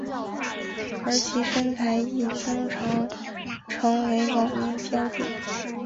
而其身材亦经常成为网民焦点。